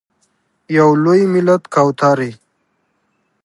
یو لوی ملت کوترې…